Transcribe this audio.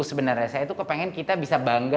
sebenarnya saya itu kepengen kita bisa bangga